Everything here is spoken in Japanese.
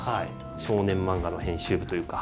少年漫画の編集部というか。